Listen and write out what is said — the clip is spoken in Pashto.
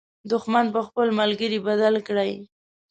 دښمن په خپل ملګري بدل کړئ.